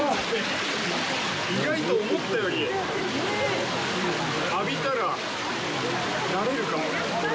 意外と思ったより浴びたらなれるかも、これ。